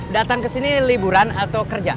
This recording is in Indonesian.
datang ke sini liburan atau kerja